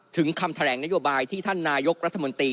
คำแถลงนโยบายที่ท่านนายกรัฐมนตรี